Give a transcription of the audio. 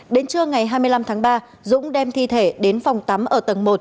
đến trưa ngày hai mươi năm tháng ba dũng đem thi thể đến phòng tắm ở tầng một